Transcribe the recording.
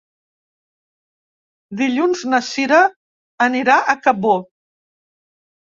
Dilluns na Cira anirà a Cabó.